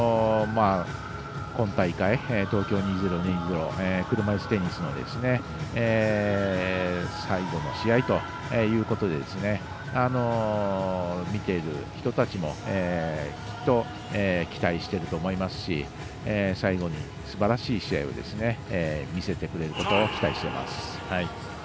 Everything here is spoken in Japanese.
今大会、東京２０２０車いすテニスの最後の試合ということで見ている人たちもきっと期待してると思いますし最後にすばらしい試合を見せてくれることを期待しています。